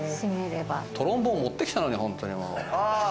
トロンボーン、持ってきたのに。